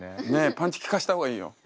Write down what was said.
パンチ効かせた方がいいよ。